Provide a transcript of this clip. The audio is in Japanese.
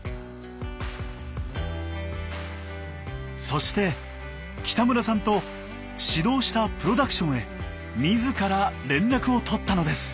そして北村さんと指導したプロダクションへ自ら連絡を取ったのです。